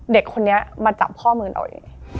เด็กคนนี้มาจับข้อมือเราอย่างนี้